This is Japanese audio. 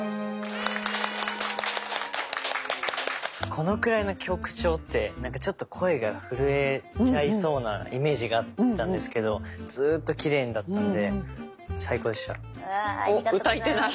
このくらいの曲調ってちょっと声が震えちゃいそうなイメージがあったんですけどずっときれいだったんで最高でした。